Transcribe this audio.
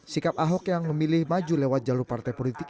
sikap ahok yang memilih maju lewat jalur partai politik